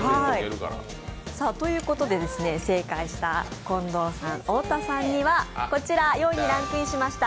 正解した近藤さん、太田さんにはこちら４位にランクインしました